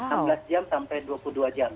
nah itu cara mengatasinya gimana